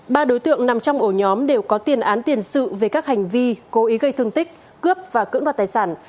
ba đối tượng nằm trong ổ nhóm đều có tiền án tiền sự về các hành vi cố ý gây thương tích cướp và cưỡng đoạt tài sản